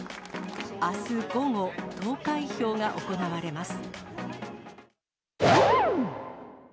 あす午後、投開票が行われます。